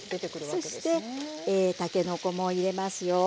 そしてたけのこも入れますよ。